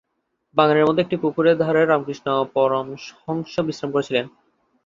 বাগানের মধ্যে একটি পুকুরের ধারে রামকৃষ্ণ পরমহংস বিশ্রাম করেছিলেন।